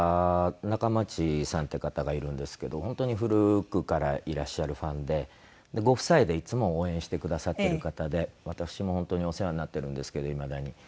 中町さんっていう方がいるんですけど本当に古くからいらっしゃるファンでご夫妻でいつも応援してくださってる方で私も本当にお世話になってるんですけどいまだに。